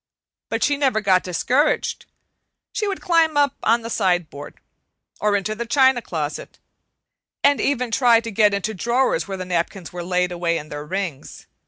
But she never got discouraged. She would climb up on the sideboard, or into the china closet, and even try to get into drawers where the napkins were laid away in their rings.